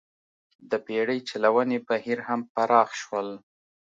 د بېړۍ چلونې بهیر هم پراخ شول